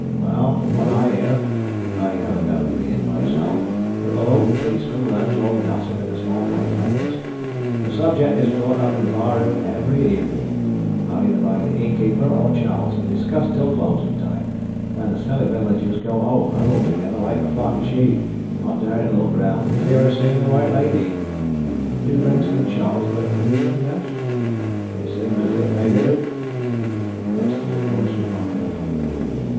"Well, from what I hear I never go to the inn myself, but a local policeman learns all the gossip in a small place like this the subject is brought up in the bar room every evening, either by the innkeeper or Charles, and discussed till closing time, when the silly villagers go home, huddled together like a flock of sheep, not daring to look round for fear of seeing the White Lady." "Do Benson and Charles both believe in the ghost?" "It seems as if they do." The constable's voice was noncommittal.